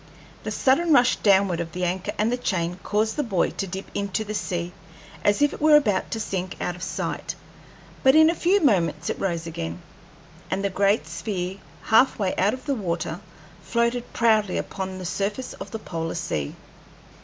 The sudden rush downward of the anchor and the chain caused the buoy to dip into the sea as if it were about to sink out of sight, but in a few moments it rose again, and the great sphere, half way out of the water, floated proudly upon the surface of the polar sea.